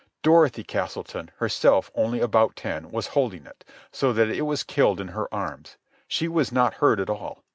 Dorothy Castleton, herself only about ten, was holding it, so that it was killed in her arms. She was not hurt at all.